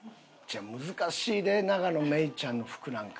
難しいで永野芽郁ちゃんの服なんか。